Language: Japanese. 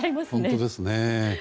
本当ですね。